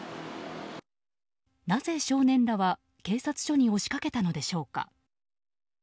なぜ、少年らは警察署に押しかけたのでしょうか。